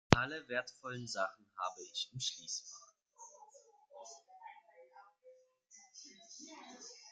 Alle wertvollen Sachen habe ich im Schließfach.